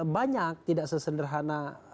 banyak tidak sesederhana